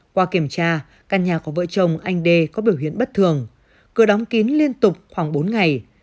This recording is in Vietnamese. qua kiểm tra căn nhà của vợ chồng anh đê có biểu hiện bất thường cửa đóng kín liên tục khoảng bốn ngày